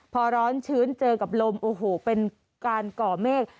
พอร้อนชื้นเจอกับลมโอ้โหเป็นการก่อเมฆ